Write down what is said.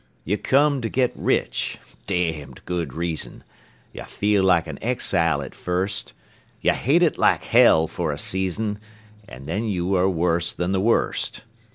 You come to get rich (damned good reason); You feel like an exile at first; You hate it like hell for a season, And then you are worse than the worst.